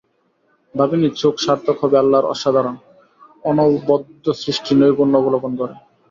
ভাবিনি চোখ সার্থক হবে আল্লাহর অসাধারণ, অনবদ্য সৃষ্টি নৈপুণ্য অবলোকন করে।